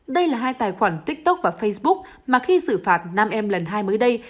đây là hai tài khoản tiktok và facebook mà khi xử phạt nam em lần hai mới đây